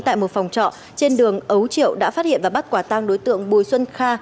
tại một phòng trọ trên đường ấu triệu đã phát hiện và bắt quả tang đối tượng bùi xuân kha